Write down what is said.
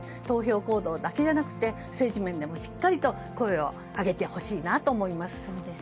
投票行動だけじゃなくて政治面でもしっかりと声を上げてほしいなと思います。